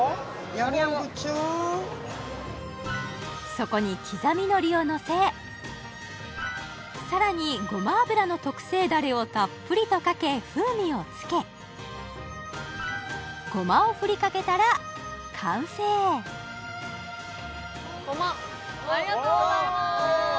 そこに刻み海苔をのせさらにごま油の特製ダレをたっぷりとかけ風味をつけごまを振りかけたら完成ごまありがとうございまーす！